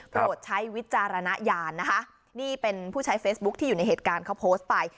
ใช้วิจารณญาณนะคะนี่เป็นผู้ใช้เฟซบุ๊คที่อยู่ในเหตุการณ์เขาโพสต์ไป